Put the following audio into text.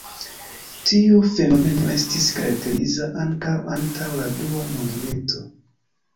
Tiu fenomeno estis karakteriza ankaŭ antaŭ la dua mondmilito.